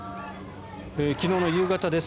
昨日の夕方です。